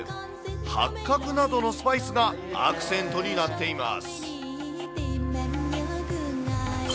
八角などのスパイスがアクセントになっています。